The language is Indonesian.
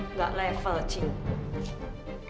nggak level cing